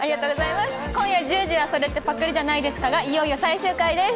今夜１０時は『それってパクリじゃないですか？』がいよいよ最終回です。